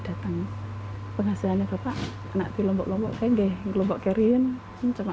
datang penghasilannya bapak anak di lombok lombok enggak lombok kering cuman